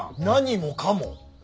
何もかも。